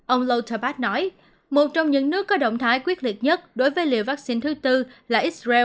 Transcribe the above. ông lutterbach nói một trong những nước có động thái quyết liệt nhất đối với liệu vaccine thứ tư là israel